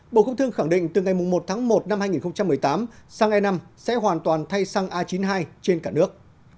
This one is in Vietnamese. bộ quốc thương khẳng định từ ngày một tháng một năm hai nghìn một mươi tám xăng e năm sẽ hoàn toàn thay xăng a chín mươi hai trên cả nước